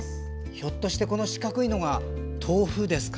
ひょっとしてこの四角いのが豆腐ですか。